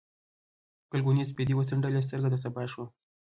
ګلګونې سپېدې وڅنډلې، سترګه د سبا شوم